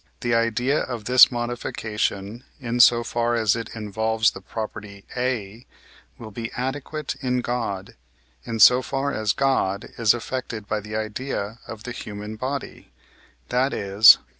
the idea of this modification, in so far as it involves the property A, will be adequate in God, in so far as God is affected by the idea of the human body; that is (II.